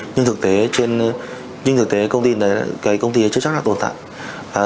nhưng thực tế công ty chưa chắc là tồn tại